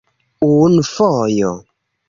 Unu fojo.